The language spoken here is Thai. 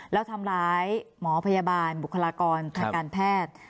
แล้วทำร้ายหมอพยาบาลบุคลากรทางการแพทย์